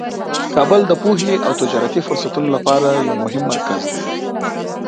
کابل د پوهې او تجارتي فرصتونو لپاره یو مهم مرکز دی.